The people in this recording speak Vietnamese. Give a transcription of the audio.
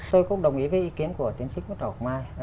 tôi cũng đồng ý với ý kiến của tiến sĩ nguyễn ngọc mai